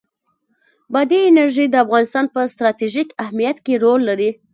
بادي انرژي د افغانستان په ستراتیژیک اهمیت کې رول لري.